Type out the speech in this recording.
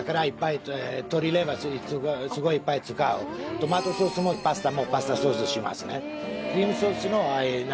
トマトソースのパスタもパスタソースしますね